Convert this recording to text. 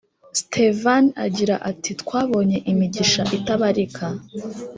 Stevan agira ati twabonye imigisha itabarika